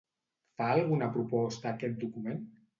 Fa alguna proposta aquest document?